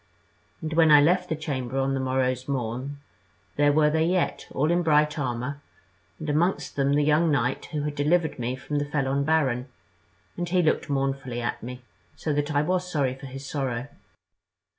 And when I left the chamber on the morrow's morn, there were they yet, all in bright armour, and amongst them the young knight who had delivered me from the felon baron, and he looked mournfully at me, so that I was sorry for his sorrow.